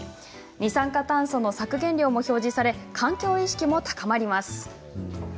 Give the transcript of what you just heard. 二酸化炭素の削減量も表示され環境意識も高まります。